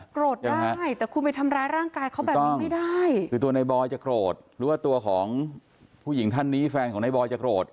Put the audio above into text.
โกรธได้แต่คุณไปทำร้ายร่างกายเขาแบบนี้ไม่ได้คือตัวในบอยจะโกรธหรือว่าตัวของผู้หญิงท่านนี้แฟนของนายบอยจะโกรธ